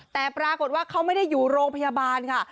แต่ปรากฏว่าเขาไม่ได้อยู่โรงพยาบาลค่ะ